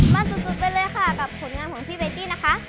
สุดไปเลยค่ะกับผลงานของพี่เบตตี้นะคะ